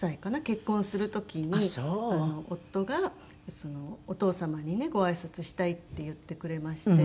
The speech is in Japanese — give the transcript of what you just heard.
結婚する時に夫が「お義父様にねごあいさつしたい」って言ってくれまして。